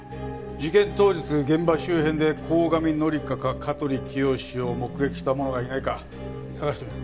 事件当日現場周辺で鴻上紀香か香取清を目撃した者がいないか捜してみる。